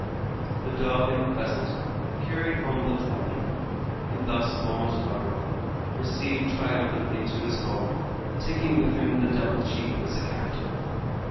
The dog and the pheasant carried home the plunder, and thus Momotaro returned triumphantly to his home, taking with him the devil chief as a captive.